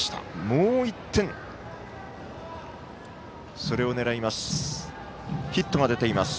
もう１点、それを狙います。